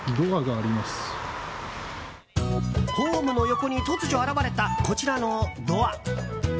ホームの横に突如現れたこちらのドア。